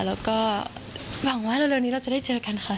แล้วก็หวังว่าเร็วนี้เราจะได้เจอกันค่ะ